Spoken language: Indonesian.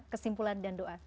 kesimpulan dan doa